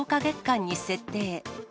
月間に設定。